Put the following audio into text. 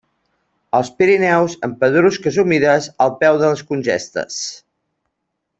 Als Pirineus en pedrusques humides al peu de les congestes.